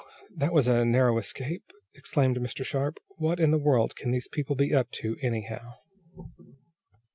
"Whew! That was a narrow escape!" exclaimed Mr. Sharp. "What in the world can those people be up to, anyhow?"